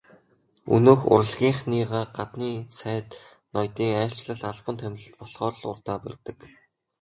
Өнөөх урлагийнхныгаа гаднын сайд ноёдын айлчлал, албан томилолт болохоор л урдаа барьдаг.